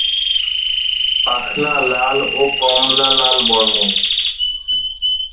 পাখনা লাল ও কমলা-লাল বর্ণের।